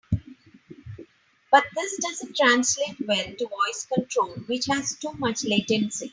But this doesn't translate well to voice control, which has too much latency.